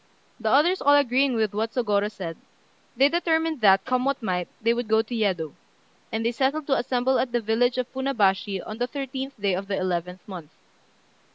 The others all agreeing with what Sôgorô said, they determined that, come what might, they would go to Yedo; and they settled to assemble at the village of Funabashi on the thirteenth day of the eleventh month.